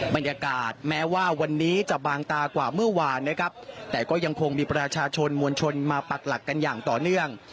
บรรยากาศแม้ว่าวันนี้จะบางตากว่าเมื่อวานนะครับแต่ก็ยังคงมีประชาชนมวลชนมาปักหลักกันอย่างต่อเนื่อง